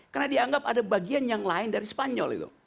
karena dianggap ada bagian yang lain dari spanyol itu